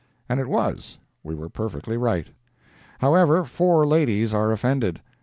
And it was—we were perfectly right. However, four ladies are offended.